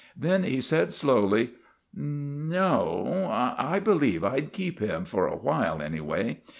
Then he said, slowly :" No, I believe I 'd keep him, for awhile anyway.